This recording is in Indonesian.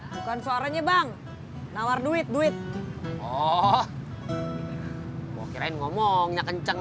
bukan suaranya bang nawar duit duit mau kirain ngomongnya kenceng